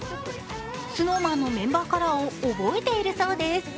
ＳｎｏｗＭａｎのメンバーカラーを覚えているそうです。